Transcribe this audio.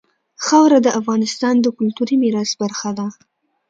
خاوره د افغانستان د کلتوري میراث برخه ده.